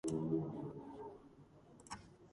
ეს ფილები მან აკაციის ხის კიდობანში შეინახა.